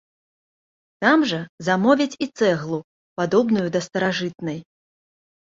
Там жа замовяць і цэглу, падобную да старажытнай.